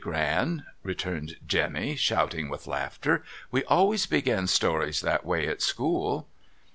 Gran,* returned Jemmy, sliouting with laughter. ' We always begin stories that way at school.'